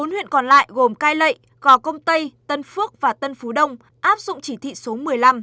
bốn huyện còn lại gồm cai lệ gò công tây tân phước và tân phú đông áp dụng chỉ thị số một mươi năm